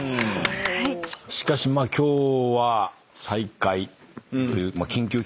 しかしまあ今日は。